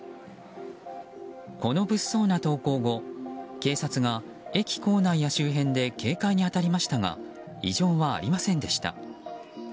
この物騒な投稿後警察が駅構内や周辺で警戒に当たりましたが異常はありませんでした。